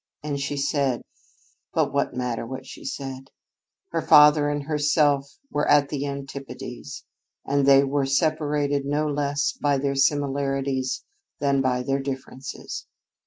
And she said But what matter what she said? Her father and herself were at the antipodes, and they were separated no less by their similarities than by their differences.